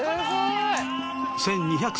１２００